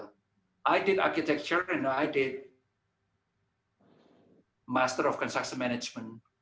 saya melakukan architecture dan saya melakukan master of construction management